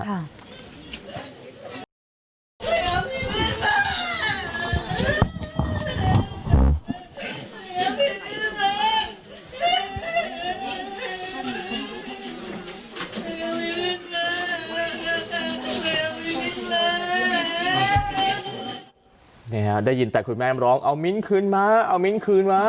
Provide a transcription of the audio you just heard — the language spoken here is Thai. นี่ฮะได้ยินแต่คุณแม่ร้องเอามิ้นคืนมาเอามิ้นคืนมา